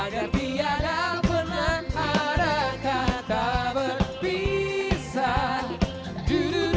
daripada penamparan kata berpisah